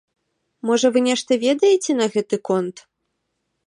Можа вы нешта ведаеце на гэты конт?